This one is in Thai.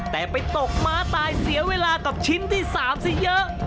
แต่ไปตกม้าตายเสียเวลากับชิ้นที่๓ซะเยอะ